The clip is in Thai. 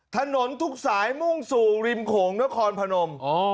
ถนนทุกสายมุ่งสู่ริมโขงนครพนม